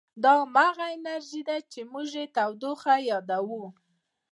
دا همغه انرژي ده چې موږ یې تودوخه یادوو.